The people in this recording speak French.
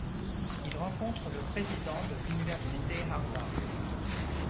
Il rencontre le président de l'université Harvard..